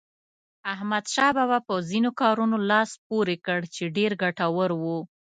احمدشاه بابا په ځینو کارونو لاس پورې کړ چې ډېر ګټور وو.